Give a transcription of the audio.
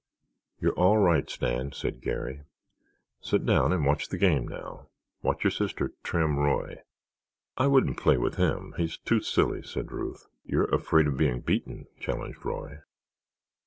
"You're all right, Stan," said Garry. "Sit down and watch the game now—watch your sister trim Roy." "I wouldn't play with him, he's too silly," said Ruth. "You're afraid of being beaten," challenged Roy.